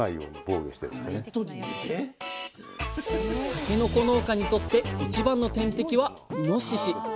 たけのこ農家にとって一番の天敵はイノシシ。